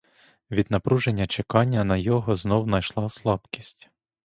Від напруження чекання на його знов найшла слабість.